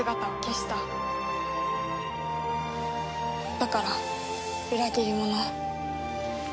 だから裏切り者。